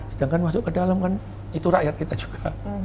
sedangkan masuk ke dalam kan itu rakyat kita juga